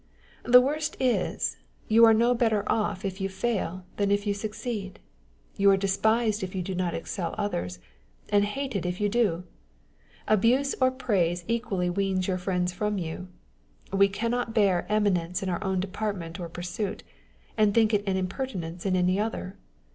The worst is, you are no better off if you fail than if you succeed. You are despised if you do not excel others, and hated if you do. Abuse or praise equally weans your friends from you. We cannot bear eminence in our own department or pursuit, and think it an impertinence in any other.